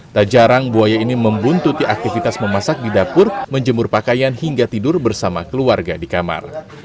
tak jarang buaya ini membuntuti aktivitas memasak di dapur menjemur pakaian hingga tidur bersama keluarga di kamar